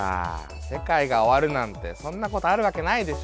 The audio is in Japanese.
世界が終わるなんてそんなことあるわけないでしょ。